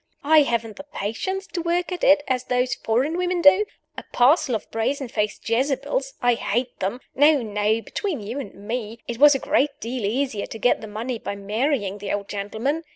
I haven't the patience to work at it as those foreign women do: a parcel of brazen faced Jezebels I hat e them! No! no! between you and me, it was a great deal easier to get the money by marrying the old gentleman.